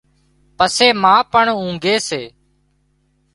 پسي ما پان اونگھي سي